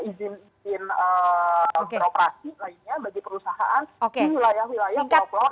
izin izin operasi lainnya bagi perusahaan di wilayah wilayah jawa